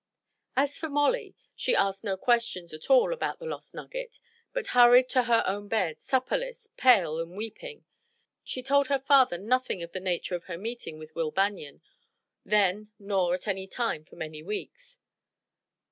As for Molly, she asked no questions at all about the lost nugget, but hurried to her own bed, supperless, pale and weeping. She told her father nothing of the nature of her meeting with Will Banion, then nor at any time for many weeks.